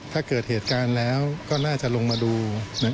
ถ้าเกิดเหตุการณ์แล้วก็น่าจะลงมาดู